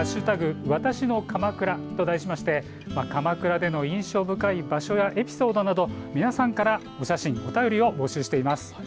わたしの鎌倉と題しまして鎌倉での印象深い場所やエピソードなど皆さんからお写真、お便りを募集しています。